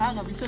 hah gak bisa